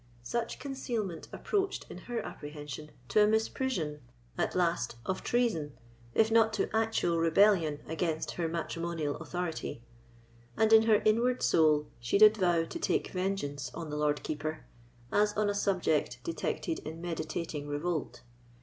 Such concealment approached, in her apprehension, to a misprision, at last, of treason, if not to actual rebellion against her matrimonial authority; and in her inward soul she did vow to take vengeance on the Lord Keeper, as on a subject detected in meditating revolt.